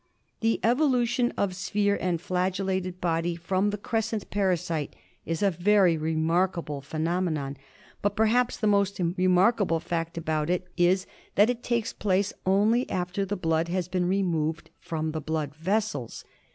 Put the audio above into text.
This evolution of sphere and flagellated body from the crescent parasite is a very remarkable phenomenon. But perhaps the most remarkable fact about it is that it go MALARIA. takes place only after the blood has been removed from the blood vessels.